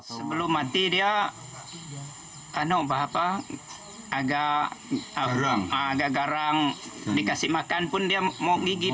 sebelum mati dia agak garang dikasih makan pun dia mau gigit